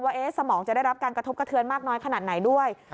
สมองจะได้รับการกระทบกระเทือนมากน้อยขนาดไหนด้วย